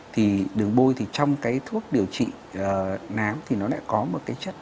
thì đường bôi thì trong cái thuốc điều trị náng thì nó lại có một cái chất